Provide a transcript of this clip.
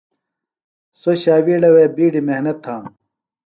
سوۡ ݜاوِیڑے بِیڈیۡ محنت تھانوۡ۔